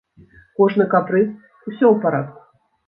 Кожны капрыз, усё ў парадку.